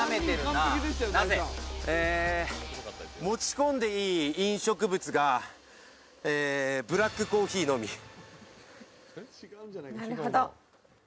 持ち込んでいい飲食物がブラックコーヒーのみ。